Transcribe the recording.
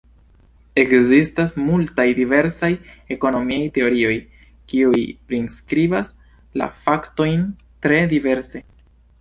Ekzistas multaj diversaj ekonomiaj teorioj, kiuj priskribas la faktojn tre diverse.